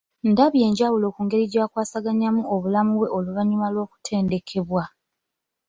Ndabye enjawulo ku ngeri jakwasaganya obulamu bwe oluvannyuma lw'okutendekebwa ,